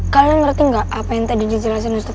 kalian ngerti nggak apa yang tadi dijelasin ustadz b